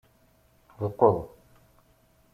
Lqeḍ.